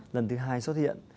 lần thứ hai xuất hiện